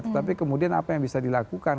tapi kemudian apa yang bisa dilakukan